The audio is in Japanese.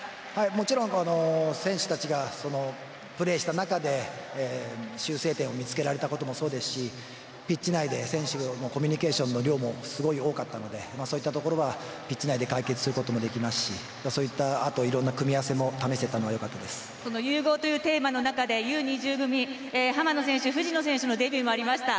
もちろん、選手たちがプレーした中で修正点を見つけられたこともそうですしピッチ内で選手のコミュニケーションの量もすごい多かったのでそういったところはピッチ内で解決することもできますしいろんな組み合わせの試せたのは融合というテーマの中でＵ‐２０組浜野選手、藤野選手のデビューもありました。